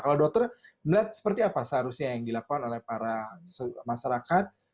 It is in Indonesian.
kalau dokter melihat seperti apa seharusnya yang dilakukan oleh para masyarakat